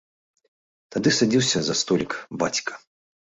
Тады садзіўся за столік бацька.